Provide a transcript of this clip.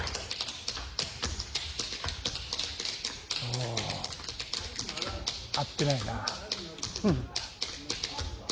おお合ってないな。